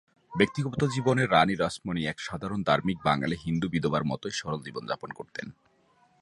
ব্যক্তিগত জীবনে রাণী রাসমণি এক সাধারণ ধার্মিক বাঙালি হিন্দু বিধবার মতোই সরল জীবনযাপন করতেন।